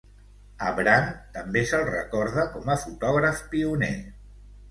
A Brandt també se'l recorda com a fotògraf pioner.